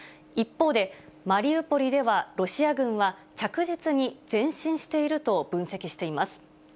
一方で、マリウポリではロシア軍が着実に前進していると分析しています。